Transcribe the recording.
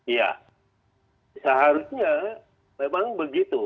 iya seharusnya memang begitu